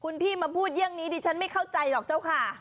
คุณพี่มาพูดเรื่องนี้ดิฉันไม่เข้าใจหรอกเจ้าค่ะ